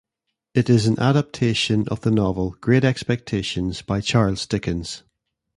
It is an adaptation of the novel "Great Expectations" by Charles Dickens.